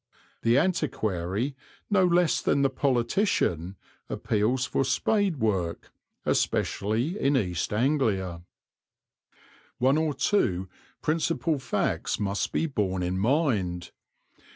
The antiquary, no less than the politician, appeals for spade work, especially in East Anglia. One or two principal facts must be borne in mind.